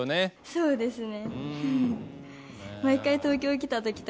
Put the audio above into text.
そうですね。